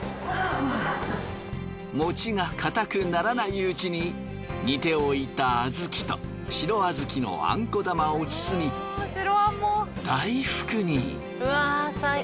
餅が硬くならないうちに煮ておいた小豆と白小豆のあんこ玉を包み大福に。